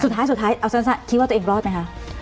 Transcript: สุดท้ายสุดท้ายอาวุธาศาสตร์คิดว่าตัวเองรอดไหมคะ